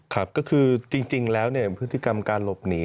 ครับก็คือจริงแล้วเนี่ยพฤติกรรมการหลบหนี